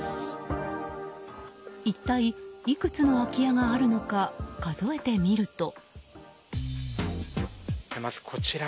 一体いくつの空き家があるのか数えてみると。